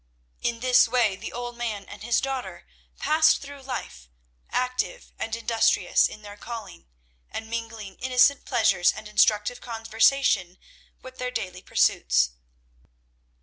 In this way the old man and his daughter passed through life, active and industrious in their calling, and mingling innocent pleasures and instructive conversation with their daily pursuits.